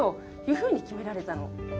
ふうに決められたの。